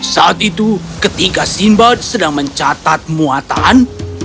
saat itu ketika simbad sedang mencatat muatan